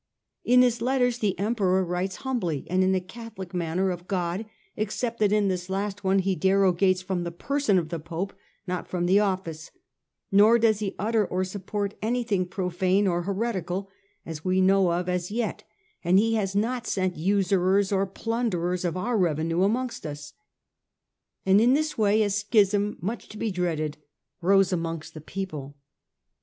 In his letters, the Em peror writes humbly and in a Catholic manner of God, except that in this last one he derogates from the person of the Pope, not from the office, nor does he utter or support anything profane or heretical, as we know of as yet ; and he has not sent usurers or plunderers of our revenue amongst us.' And in this way a schism much to be dreaded rose amongst the people."